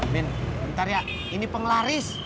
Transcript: min bentar ya ini penglaris